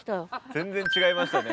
全然違いましたね。